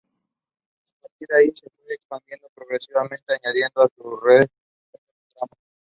A partir de allí, se fue expandiendo progresivamente, añadiendo a su red nuevos tramos.